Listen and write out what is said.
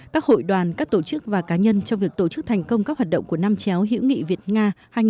các hội đoàn các tổ chức và cá nhân trong việc tổ chức thành công các hoạt động của năm chéo hữu nghị việt nga hai nghìn một mươi chín hai nghìn hai mươi